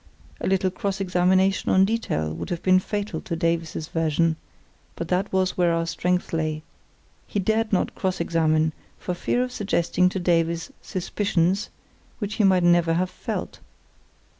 A little cross examination on detail would have been fatal to Davies's version; but that was where our strength lay; he dared not cross examine for fear of suggesting to Davies suspicions which he might never have felt.